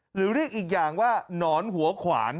หรือเรียกอีกอย่างว่าหนอนหัวขวาน